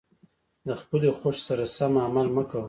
د خپلې خوښې سره سم عمل مه کوه.